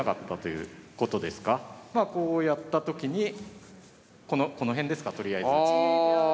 こうやったときにこの辺ですかとりあえず。ああ。